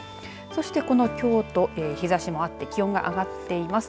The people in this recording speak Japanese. そして京都、日ざしもあって気温が上がっています。